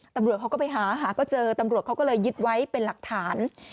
ตำรวจเขาก็ไปหาหาก็เจอตำรวจเขาก็เลยยึดไว้เป็นหลักฐาน